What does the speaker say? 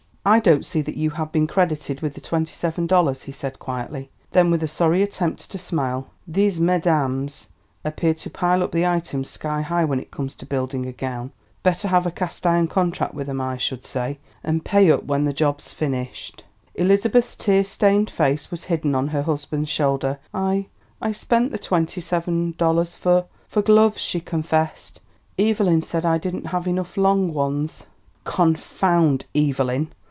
"I don't see that you have been credited with the twenty seven dollars," he said quietly. Then with a sorry attempt at a smile, "These mesdames appear to pile up the items sky high when it comes to building a gown; better have a cast iron contract with 'em, I should say, and pay up when the job's finished." Elizabeth's tear stained face was hidden on her husband's shoulder. "I I spent the twenty seven dollars for for gloves," she confessed. "Evelyn said I didn't have enough long ones." "_Confound Evelyn!